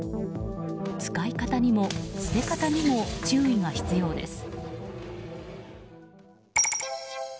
使い方にも捨て方にも注意が必要です。